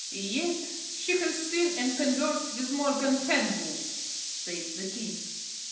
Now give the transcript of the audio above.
"Yet she has seen and conversed with Morgan Fenwolf," the king.